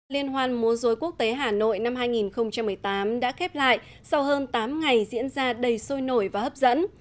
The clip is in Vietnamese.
liên hoan múa dối quốc tế hà nội năm hai nghìn một mươi tám đã khép lại sau hơn tám ngày diễn ra đầy sôi nổi và hấp dẫn